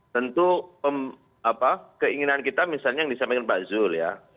tentu keinginan kita misalnya yang disampaikan pak zul ya